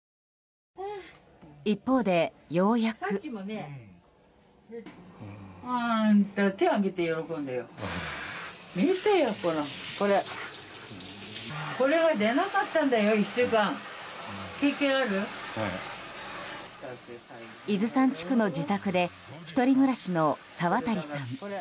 一方で、ようやく。伊豆山地区の自宅で１人暮らしの沢渡さん。